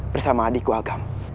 bersama adikku agam